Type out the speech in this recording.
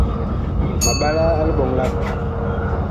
Ma mɓalaa a liɓɔŋ lʼ akoo.